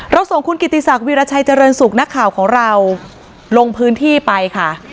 ส่งคุณกิติศักดิราชัยเจริญสุขนักข่าวของเราลงพื้นที่ไปค่ะ